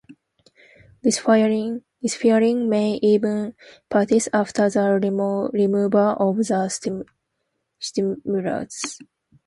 This firing may even persist after the removal of the stimulus.